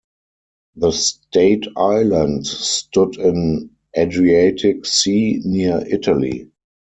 The state island stood in Adriatic Sea near Italy.